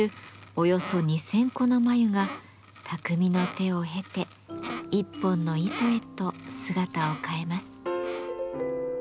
およそ２，０００個の繭が匠の手を経て１本の糸へと姿を変えます。